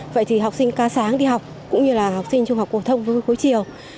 vậy thì học sinh ca sáng đi học cũng như là học sinh trung học phổ thông vui cuối chiều